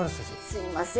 すいません